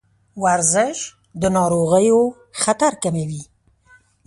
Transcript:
ورزش د ناروغیو خطر کموي.